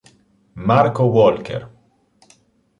Marco Walker